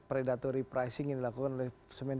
predatory pricing yang dilakukan oleh semen